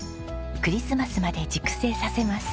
クリスマスまで熟成させます。